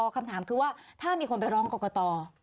คำถามคือว่าถ้ามีคนไปร้องกรกต